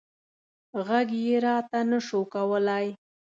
غږ یې راته نه شو کولی.